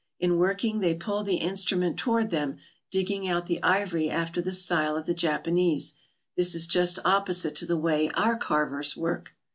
In working they pull the instrument toward them, digging out the ivory after the style of the Japanese. This is just opposite to the way our carvers work.